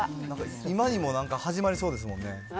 今にもなんか始まりそうですもんね。